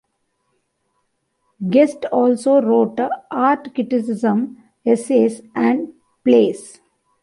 Guest also wrote art criticism, essays, and plays.